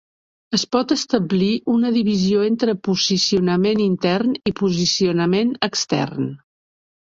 Es pot establir una divisió entre posicionament intern i posicionament extern.